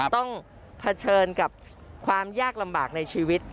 ต้องเผชิญกับความยากลำบากในชีวิต